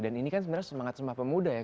dan ini kan sebenarnya semangat sumpah pemuda ya